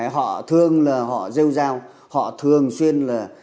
họ thường là họ rêu dao họ thường xuyên là